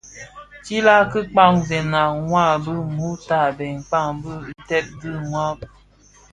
Tiilag ki kpaghèna wa bi mutanin kpäg dhi ntèd di dhaa.